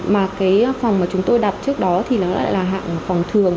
mà cái phòng mà chúng tôi đặt trước đó thì nó lại là hạng phòng thường